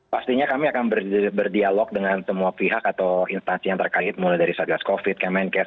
pastinya kami akan berdialog dengan semua pihak atau instansi yang terkait mulai dari satgas covid kemenkes